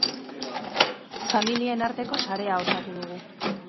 Familien arteko sarea osatu dugu.